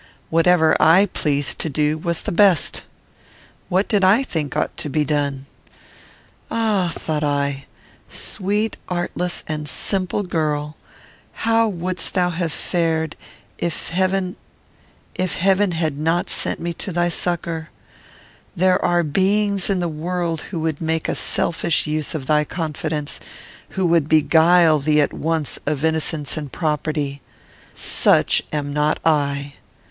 Whatever I pleased to do was the best. What did I think ought to be done? "Ah!" thought I, "sweet, artless, and simple girl! how wouldst thou have fared, if Heaven had not sent me to thy succour? There are beings in the world who would make a selfish use of thy confidence; who would beguile thee at once of innocence and property. Such am not I.